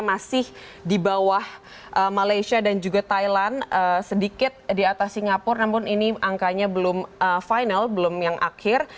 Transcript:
masih di bawah malaysia dan juga thailand sedikit di atas singapura namun ini angkanya belum final belum yang akhir